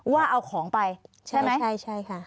ว่าเอาของไปใช่ไหมใช่ใช่ค่ะ